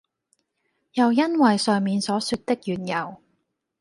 又因爲上面所說的緣由，